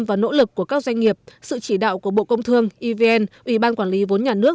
và nỗ lực của các doanh nghiệp sự chỉ đạo của bộ công thương evn ủy ban quản lý vốn nhà nước